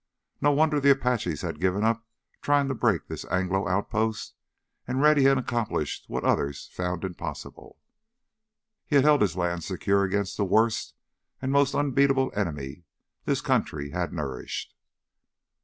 No wonder the Apaches had given up trying to break this Anglo outpost and Rennie had accomplished what others found impossible. He had held his land secure against the worst and most unbeatable enemy this country had nourished.